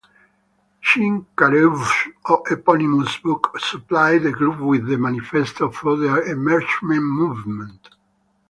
Shinkarev's eponymous book supplied the group with the manifesto for their emergent movement.